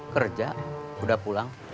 kerja udah pulang